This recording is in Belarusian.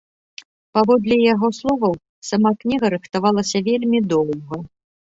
Паводле яго словаў, сама кніга рыхтавалася вельмі доўга.